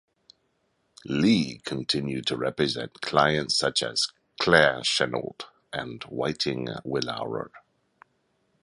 Lee continued to represent clients such as Claire Chennault and Whiting Willaurer.